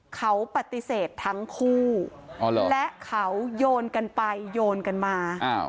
เขาปฏิเสธทั้งคู่และเขาโยนกันไปโยนกันมา